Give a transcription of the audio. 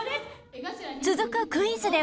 続くクイズでは。